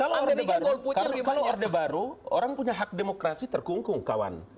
kalau orde baru orang punya hak demokrasi terkungkung kawan